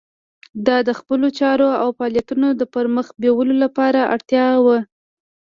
دا د خپلو چارو او فعالیتونو د پرمخ بیولو لپاره اړتیا وه.